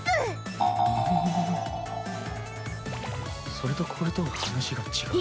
それとこれとは話が違うと。